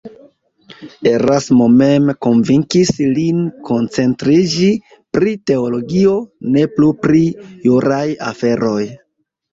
Erasmo mem konvinkis lin koncentriĝi pri teologio, ne plu pri juraj aferoj.